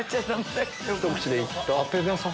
ひと口でいった。